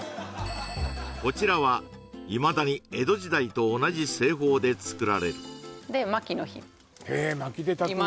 こちらはいまだに江戸時代と同じ製法で作られるで薪の火今でもへえ薪で炊くんだ